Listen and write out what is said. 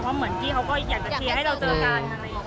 เพราะเหมือนกี้เขาก็อยากจะเคลียร์ให้เราเจอกัน